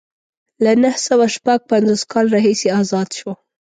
له نهه سوه شپږ پنځوس کال راهیسې ازاد شو.